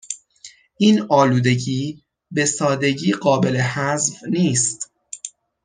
این آلودگی به سادگی قابل حذف نیست